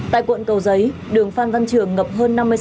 tại quận cầu giấy đường phan văn trường ngập hơn năm mươi cm